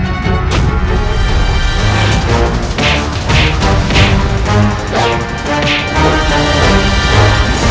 aku tidak akan menghentikan ini